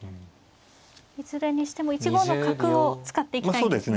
いずれにしても１五の角を使っていきたいですね。